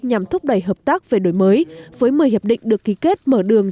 nhằm thúc đẩy hợp tác về đổi mới với một mươi hiệp định được ký kết mở đường